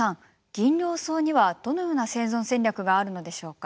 ギンリョウソウにはどのような生存戦略があるのでしょうか？